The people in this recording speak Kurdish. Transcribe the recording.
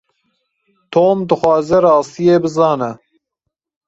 Tom dixwaze rastiyê bizane.